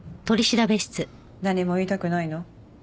何も言いたくないの？